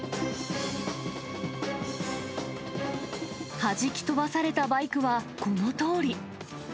はじき飛ばされたバイクはこのとおり。